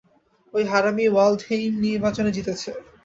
ওই হারামি ওয়াল্ডহেইম নির্বাচনে জিতেছে।